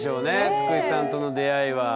つくしさんとの出会いは。